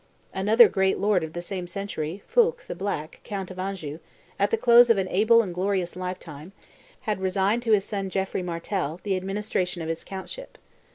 Another great lord of the same century, Foulques the Black, count of Anjou, at the close of an able and glorious lifetime, had resigned to his son Geoffrey Martel the administration of his countship.